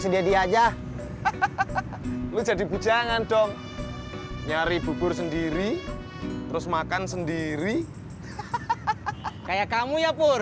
sedia dia ya jadi bujangan dong nyari bubur sendiri terus makan sendiri kayak kamu ya pur